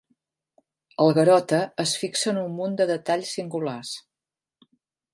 El Garota es fixa en un munt de detalls singulars.